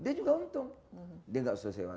dia juga untung